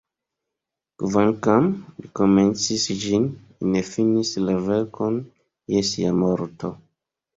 Kvankam Li komencis ĝin, Li ne finis la verkon je Sia morto.